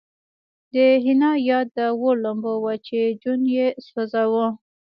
د حنا یاد د اور لمبه وه چې جون یې سوځاوه